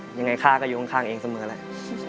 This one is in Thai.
ยังไงข้าก็อยู่ข้างเองเสมอแหละ